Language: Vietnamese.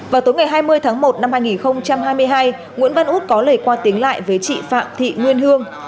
vào tối ngày hai mươi tháng một năm hai nghìn hai mươi hai nguyễn văn út có lời qua tiếng lại với chị phạm thị nguyên hương